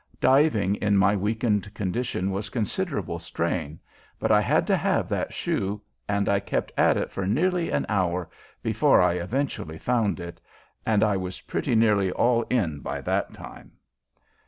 Diving in my weakened condition was considerable strain, but I had to have that shoe, and I kept at it for nearly an hour before I eventually found it, and I was pretty nearly all in by that time.